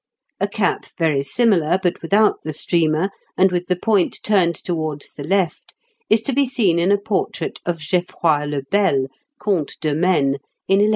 A cap very similar, but without the streamer, and with the point turned towards the left, is to be seen in a portrait of Geoffroy le Bel, Comte de Maine, in 1150.